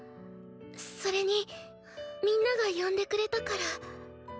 それにみんなが呼んでくれたから。